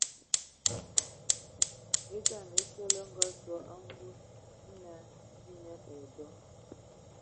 E dzam asǝ lə ngasō a mvus, mina mii nə ai dɔ.